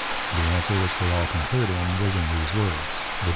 _ The Answer which they all concurred in, was in these words, _viz.